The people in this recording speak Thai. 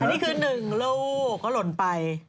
อันนี้คือ๑ลูกก็หล่นไป